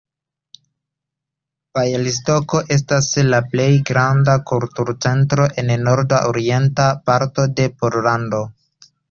Bjalistoko estas la plej granda kulturcentro en nord-orienta parto de Pollando.